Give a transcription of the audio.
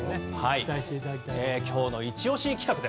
期待していただきたいと思います。